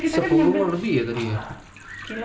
sepuluh lebih ya tadi ya